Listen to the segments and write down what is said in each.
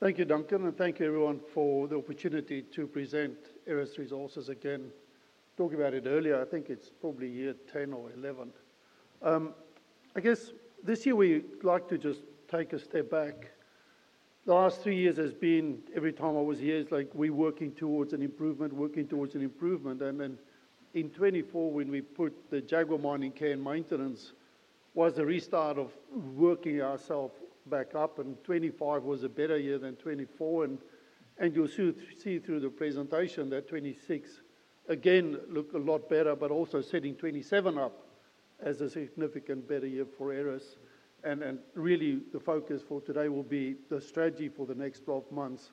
Thank you, Duncan, and thank you, everyone, for the opportunity to present Aeris Resources again. Talked about it earlier, I think it's probably year 10 or 11. I guess this year we'd like to just take a step back. The last three years have been, every time I was here, it's like we're working towards an improvement, working towards an improvement. In 2024, when we put the Jaguar copper/zinc mine in care and maintenance, it was a restart of working ourselves back up. 2025 was a better year than 2024. You'll see through the presentation that 2026 again looked a lot better, but also setting 2027 up as a significantly better year for Aeris. The focus for today will be the strategy for the next 12 months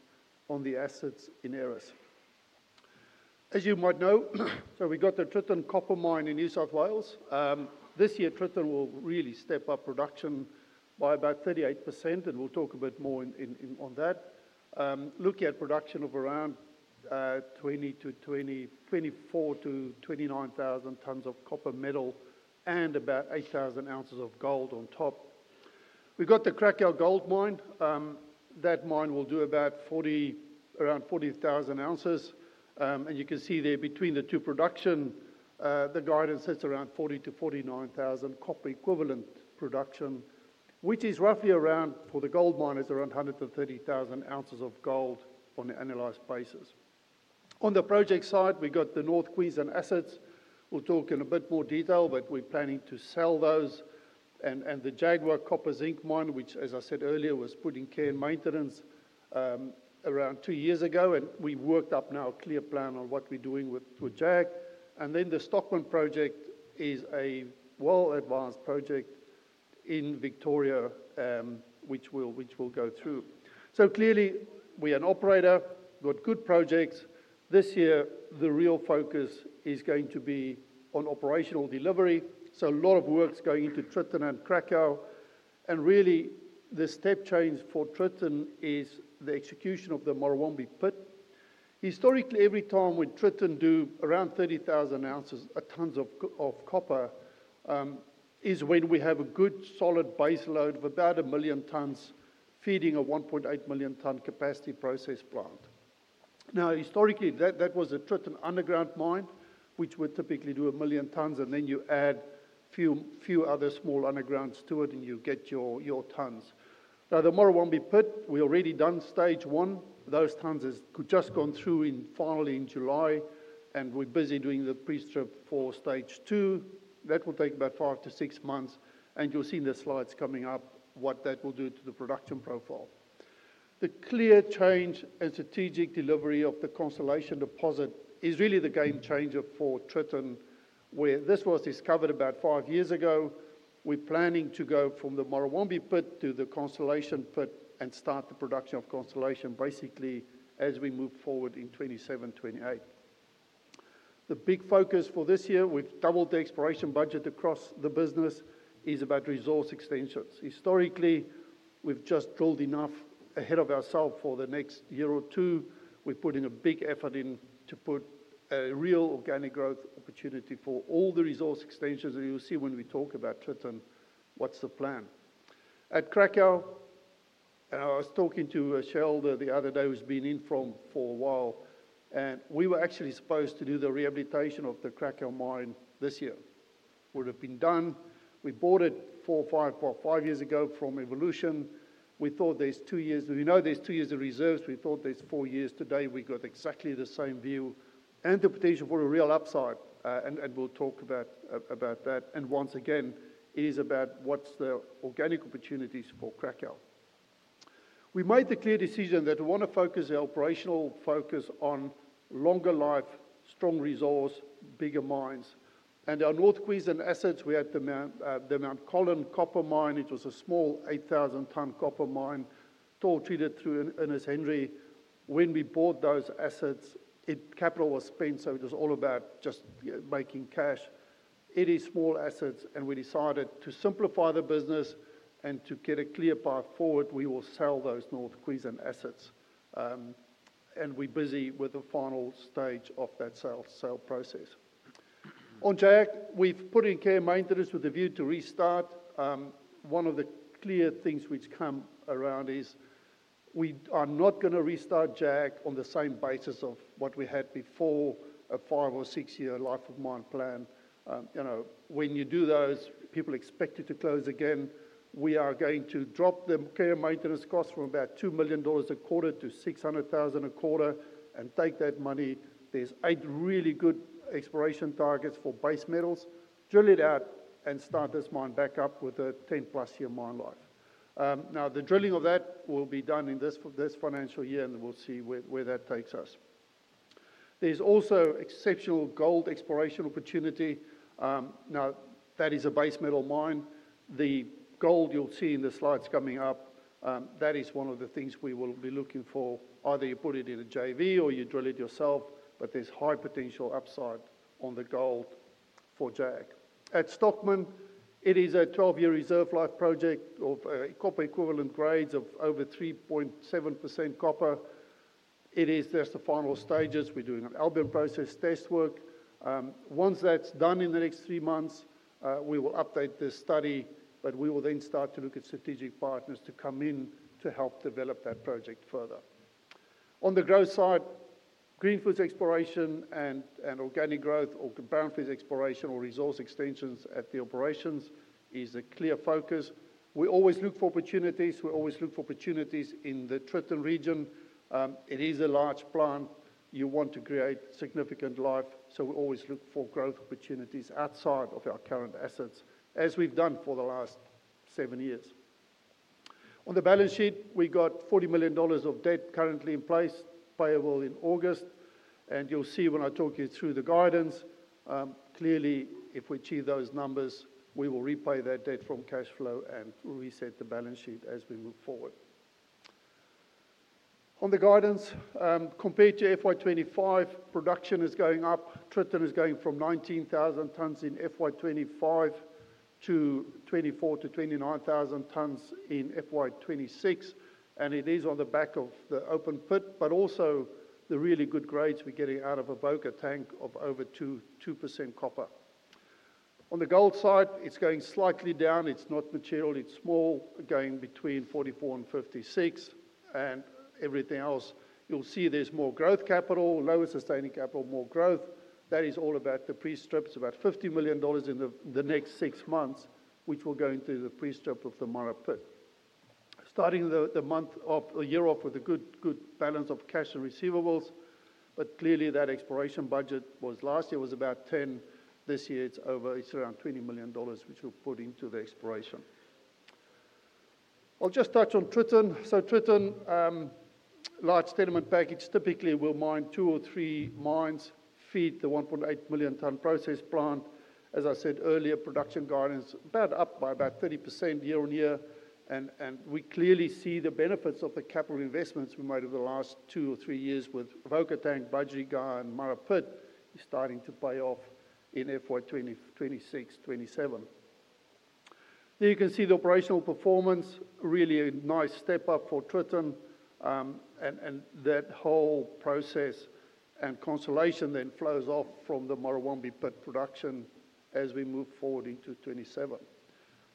on the assets in Aeris. As you might know, we've got the Tritton copper mine in New South Wales. This year, Tritton will really step up production by about 38%, and we'll talk a bit more on that. Looking at production of around 24,000-29,000 tons of copper metal and about 8,000 ounces of gold on top. We've got the Cracow gold mine. That mine will do about 40,000 ounces. You can see there between the two productions, the guidance sets around 40,000-49,000 copper equivalent production, which is roughly around, for the gold miners, around 130,000 ounces of gold on an annualized basis. On the project side, we've got the North Queensland assets. We'll talk in a bit more detail, but we're planning to sell those. The Jaguar copper/zinc mine, which, as I said earlier, was put in care and maintenance around two years ago, we've worked up now a clear plan on what we're doing with JAG. The Stockman project is a well-advanced project in Victoria, which we'll go through. Clearly, we're an operator, we've got good projects. This year, the real focus is going to be on operational delivery. A lot of work's going into Tritton and Cracow. The step change for Tritton is the execution of the Murrawombie pit. Historically, every time when Tritton does around 30,000 tons of copper, is when we have a good solid base load of about a million tons, feeding a 1.8 million ton capacity process plant. Historically, that was a Tritton underground mine, which would typically do a million tons, and then you add a few other small undergrounds to it and you get your tons. The Murrawombie pit, we've already done stage one. Those tons have just gone through finally in July, and we're busy doing the pre-strip for stage two. That will take about 5-6 months, and you'll see in the slides coming up what that will do to the production profile. The clear change and strategic delivery of the Constellation deposit is really the game changer for Tritton, where this was discovered about five years ago. We're planning to go from the Murrawombie pit to the Constellation pit and start the production of Constellation basically as we move forward in 2027, 2028. The big focus for this year, we've doubled the exploration budget across the business, is about resource extensions. Historically, we've just drilled enough ahead of ourselves for the next year or two. We've put in a big effort to put a real organic growth opportunity for all the resource extensions, and you'll see when we talk about Tritton what's the plan. At Cracow, and I was talking to Shelda the other day, who's been in for a while, we were actually supposed to do the rehabilitation of the Cracow mine this year. It would have been done. We bought it four or five years ago from Evolution. We thought there's two years, we know there's two years of reserves, we thought there's four years. Today, we've got exactly the same view and the potential for a real upside, and we'll talk about that. It is about what's the organic opportunities for Cracow. We made the clear decision that we want to focus our operational focus on longer life, strong resource, bigger mines. Our North Queensland assets, we had the Mount Colin copper mine, which was a small 8,000-ton copper mine, toll treated through Ernest Henry. When we bought those assets, capital was spent, so it was all about just making cash. It is small assets, and we decided to simplify the business and to get a clear path forward. We will sell those North Queensland assets, and we're busy with the final stage of that sale process. On JAG, we've put in care and maintenance with a view to restart. One of the clear things which has come around is we are not going to restart JAG on the same basis of what we had before, a five or six-year life of mine plan. When you do those, people expect it to close again. We are going to drop the care and maintenance costs from about $2 million a quarter to $600,000 a quarter and take that money. There's eight really good exploration targets for base metals. Drill it out and start this mine back up with a 10-plus year mine life. Now, the drilling of that will be done in this financial year, and we'll see where that takes us. There's also exceptional gold exploration opportunity. Now, that is a base metal mine. The gold you'll see in the slides coming up, that is one of the things we will be looking for. Either you put it in a JV or you drill it yourself, but there's high potential upside on the gold for JAG. At Stockman, it is a 12-year reserve life project of copper equivalent grades of over 3.7% copper. It is just the final stages. We're doing an album process test work. Once that's done in the next three months, we will update this study, but we will then start to look at strategic partners to come in to help develop that project further. On the growth side, greenfields exploration and organic growth or brownfields exploration or resource extensions at the operations is a clear focus. We always look for opportunities. We always look for opportunities in the Tritton region. It is a large plant. You want to create significant life, so we always look for growth opportunities outside of our current assets, as we've done for the last seven years. On the balance sheet, we've got $40 million of debt currently in place, payable in August. You'll see when I talk you through the guidance, clearly, if we achieve those numbers, we will repay that debt from cash flow and reset the balance sheet as we move forward. On the guidance, compared to FY 2025 production is going up. Tritton is going from 19,000 tons in FY 2025 to 24,000-29,000 tons in FY 2026, and it is on the back of the open pit, but also the really good grades we're getting out of Avoca Tank of over 2% copper. On the gold side, it's going slightly down. It's not material. It's small, going between 44,000 and 56,000, and everything else. You'll see there's more growth capital, lower sustaining capital, more growth. That is all about the pre-strips, about $50 million in the next six months, which will go into the pre-strip of the Murrawombie pit. Starting the month of the year off with a good balance of cash and receivables, but clearly that exploration budget was last year was about $10 million. This year it's over, it's around $20 million, which we'll put into the exploration. I'll just touch on Tritton. So Tritton, large tenement package, typically we'll mine 2-3 mines, feed the 1.8 million ton process plant. As I said earlier, production guidance is up by about 30% year-on-year, and we clearly see the benefits of the capital investments we made over the last two or three years with Avoca Tank, Budgerigar, and Murrawombie Pit starting to pay off in FY 2026-FY 2027. There you can see the operational performance, really a nice step up for Tritton, and that whole process and Constellation then flows off from the Murrawombie pit production as we move forward into 2027.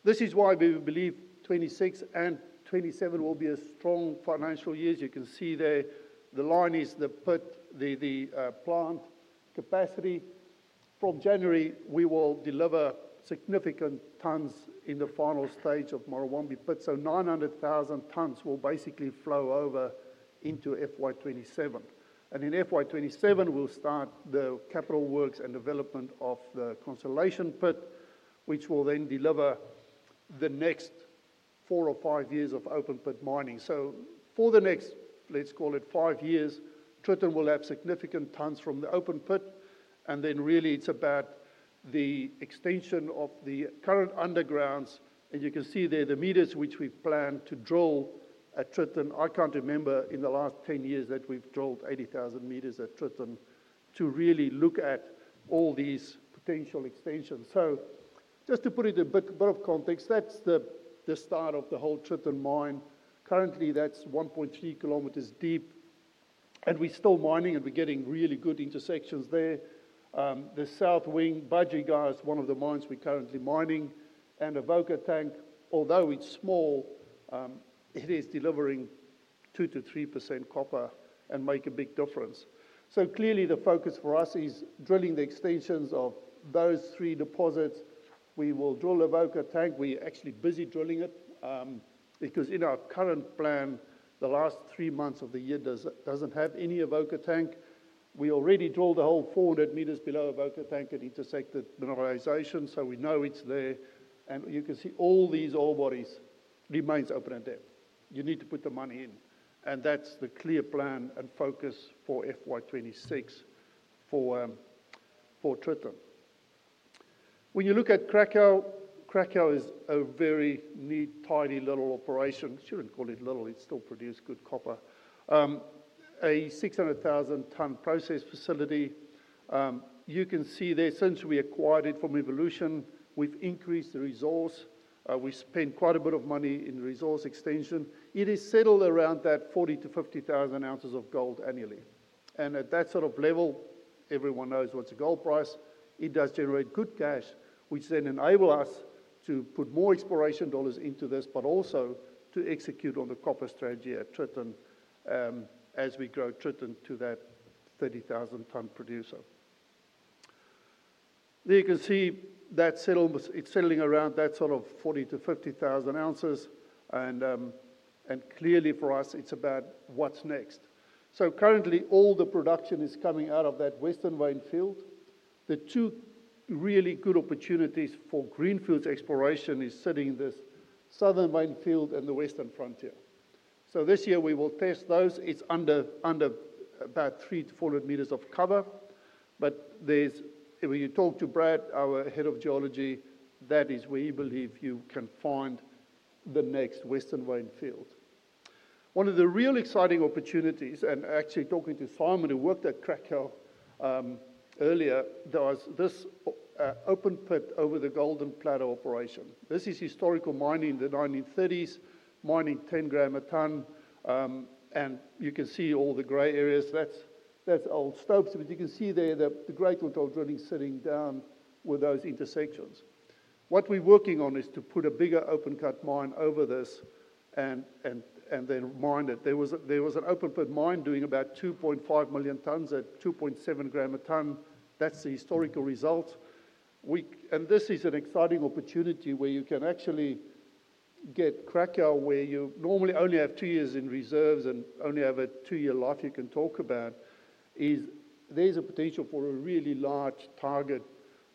This is why we believe 2026 and 2027 will be strong financial years. You can see there, the line is the plant capacity. From January, we will deliver significant tons in the final stage of Murrawombie pit, so 900,000 tons will basically flow over into FY 2027. In FY 2027, we'll start the capital works and development of the Constellation pit, which will then deliver the next four or five years of open pit mining. For the next, let's call it five years, Tritton will have significant tons from the open pit, and then really it's about the extension of the current undergrounds. You can see there the meters which we've planned to drill at Tritton. I can't remember in the last 10 years that we've drilled 80,000 meters at Tritton to really look at all these potential extensions. Just to put it a bit of context, that's the start of the whole Tritton mine. Currently, that's 1.3 kilometers deep, and we're still mining, and we're getting really good intersections there. The south wing, Budgerigar is one of the mines we're currently mining, and the Avoca Tank, although it's small, it is delivering 2-3% copper and makes a big difference. Clearly, the focus for us is drilling the extensions of those three deposits. We will drill the Avoca Tank. We're actually busy drilling it because in our current plan, the last three months of the year doesn't have any Avoca Tank. We already drilled the whole 400 meters below VAvoca Tank and intersected the mineralization, so we know it's there. You can see all these ore bodies remain open and dead. You need to put the money in, and that's the clear plan and focus for FY 2026 for Tritton. When you look at Cracow, Cracow is a very neat, tidy little operation. Shouldn't call it little. It still produces good copper. A 600,000-ton process facility. You can see there, since we acquired it from Evolution, we've increased the resource. We spend quite a bit of money in resource extension. It is settled around that 40,000-50,000 ounces of gold annually. At that sort of level, everyone knows what's the gold price. It does generate good cash, which then enables us to put more exploration dollars into this, but also to execute on the copper strategy at Tritton as we grow Tritton to that 30,000-ton producer. There you can see that settlement. It's settling around that sort of 40,000-50,000 ounces. Clearly for us, it's about what's next. Currently, all the production is coming out of that Western Windfield. The two really good opportunities for greenfields exploration are sitting in this Southern Windfield and the Western Frontier. This year, we will test those. It's under about 300-400 meters of cover. When you talk to Brad, our Head of Geology, that is where he believes you can find the next Western Windfield. One of the real exciting opportunities, and actually talking to Simon who worked at Cracow earlier, there was this open pit over the Golden Plateau operation. This is historical mining in the 1930s, mining 10 gram a ton. You can see all the gray areas. That's old stopes. You can see there that the great local drilling is sitting down with those intersections. What we're working on is to put a bigger open cut mine over this and then mine it. There was an open pit mine doing about 2.5 million tons at 2.7 gram a ton. That's the historical results. This is an exciting opportunity where you can actually get Cracow, where you normally only have two years in reserves and only have a two-year life you can talk about. There's a potential for a really large target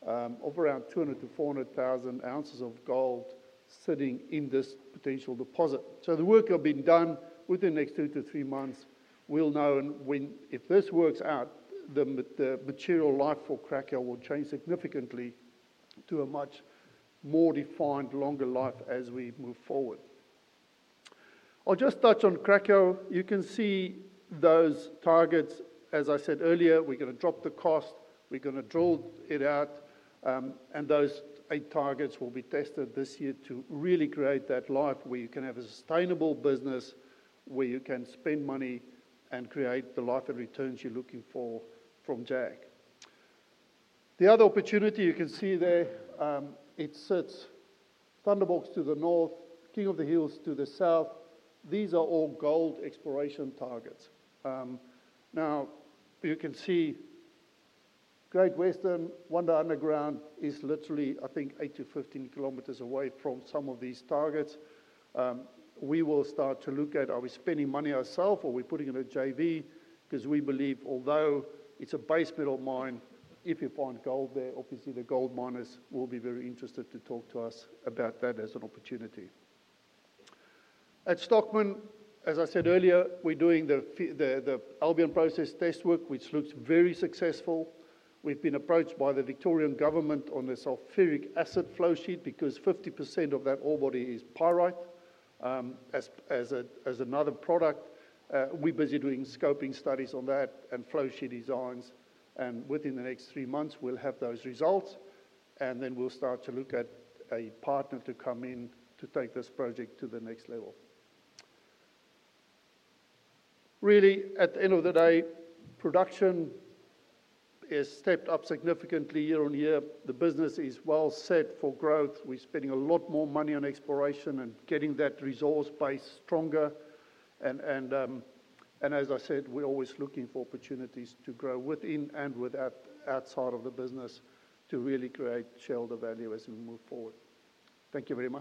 of around 200,000-400,000 ounces of gold sitting in this potential deposit. The work will be done within the next two to three months. We'll know if this works out, the material life for Cracow will change significantly to a much more defined, longer life as we move forward. I'll just touch on Cracow. You can see those targets. As I said earlier, we're going to drop the cost. We're going to drill it out. Those eight targets will be tested this year to really create that life where you can have a sustainable business, where you can spend money and create the life and returns you're looking for from JAG. The other opportunity you can see there, it sits Thunderbolts to the north, King of the Hills to the south. These are all gold exploration targets. You can see Great Western, Wonder Underground is literally, I think, 8-15 kilometers away from some of these targets. We will start to look at, are we spending money ourselves or are we putting it in a JV? Because we believe, although it's a base metal mine, if you find gold there, obviously the gold miners will be very interested to talk to us about that as an opportunity. At Stockman, as I said earlier, we're doing the Albion process test work, which looks very successful. We've been approached by the Victorian government on the sulfuric acid flow sheet because 50% of that ore body is pyrite. As another product, we're busy doing scoping studies on that and flow sheet designs. Within the next three months, we'll have those results. We will start to look at a partner to come in to take this project to the next level. Really, at the end of the day, production is stepped up significantly year on year. The business is well set for growth. We're spending a lot more money on exploration and getting that resource base stronger. As I said, we're always looking for opportunities to grow within and outside of the business to really create shareholder value as we move forward. Thank you very much.